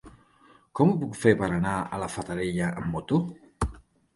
Com ho puc fer per anar a la Fatarella amb moto?